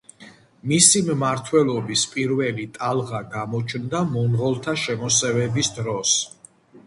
მისი მმართველობის პირველი ტალღა გამოჩნდა მონღოლთა შემოსევების დროს.